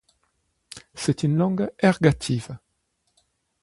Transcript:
C'est une langue ergative.